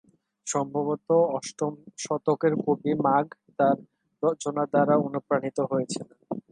সম্ভবত অষ্টম শতকের কবি মাঘ তার রচনা দ্বারা অনুপ্রাণিত হয়েছিলেন।